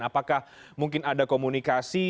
apakah mungkin ada komunikasi